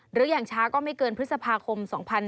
หรืออย่างช้าก็ไม่เกินพฤษภาคม๒๕๕๙